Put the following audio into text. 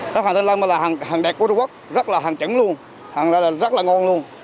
các hàng thanh long là hàng đẹp của trung quốc rất là hàng chứng luôn hàng là rất là ngon luôn